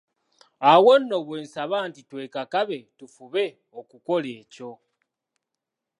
Awo nno bwe nsaba nti twekakabe, tufube okukola ekyo!